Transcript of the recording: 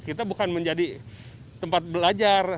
kita bukan menjadi tempat belajar